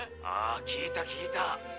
ああ聞いた聞いた。